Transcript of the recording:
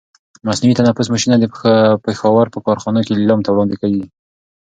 مصنوعي تنفس ماشینونه د پښاور په کارخانو کې لیلام ته وړاندې کېږي.